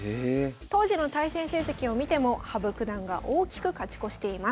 当時の対戦成績を見ても羽生九段が大きく勝ち越しています。